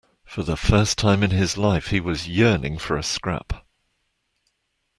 For the first time in his life he was yearning for a scrap.